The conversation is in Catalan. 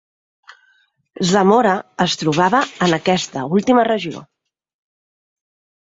Zamora es trobava en aquesta última regió.